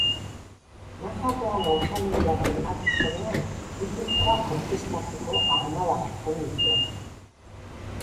Nafarroan altxamendua finkatu zenean, Gipuzkoa konkistatzeko armada zuzendu zuen.